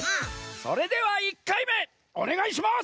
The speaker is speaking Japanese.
それでは１かいめおねがいします！